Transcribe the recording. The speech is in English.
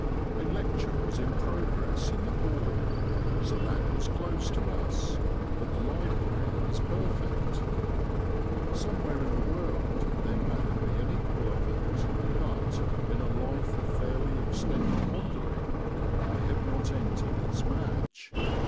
A lecture was in progress in the hall, so that was closed to us; but the library is perfect. Somewhere in the world there may be the equal of it, but, in a life of fairly extended wandering, I have not entered its match.